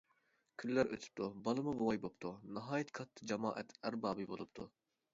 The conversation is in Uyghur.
كۈنلەر ئۆتۈپتۇ. بالىمۇ بوۋاي بوپتۇ. ناھايىتى كاتتا جامائەت ئەربابى بولۇپتۇ.